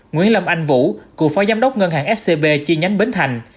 nguyễn lâm anh vũ cựu phó giám đốc ngân hàng scb chi nhánh bến thành